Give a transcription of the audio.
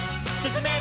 すすめ！